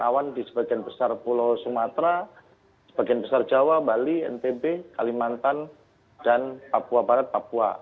awan di sebagian besar pulau sumatera sebagian besar jawa bali ntb kalimantan dan papua barat papua